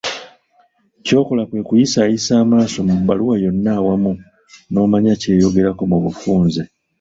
Ky'okola kwekuyisaayisa amaaso mu bbaluwa yonna awamu n'omanya ky'eyogerako mu bufunze.